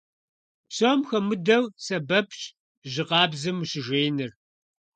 Псом хуэмыдэу сэбэпщ жьы къабзэм ущыжеиныр.